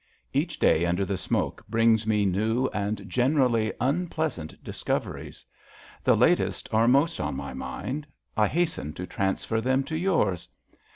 Each day under the smoke Irings me new and generally unpleasant discov •eries. The latest are most on my mind. I hasten io transfer them to yours.